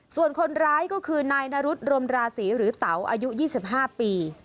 ส่วนคนร้ายก็คือนายนรุษรมราศีหรือเต๋าอายุ๒๕ปี